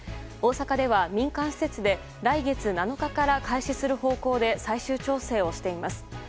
大阪では民間施設で来月７日から開始する方向で最終調整をしています。